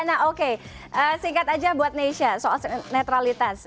nah oke singkat aja buat nesha soal netralitas